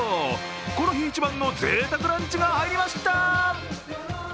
この日一番のぜいたくランチが入りました。